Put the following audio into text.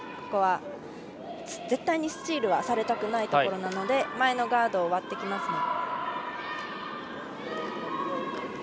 ここは、絶対にスチールはされたくないところなので前のガードを割ってきます。